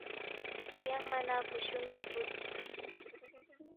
تیانگما نہ کُشُو نِ٘یس بوُدس